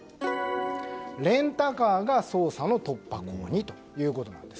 レンタカーが捜査の突破口にということなんです。